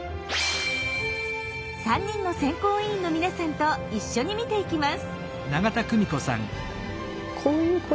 ３人の選考委員の皆さんと一緒に見ていきます。